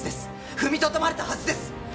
踏みとどまれたはずです！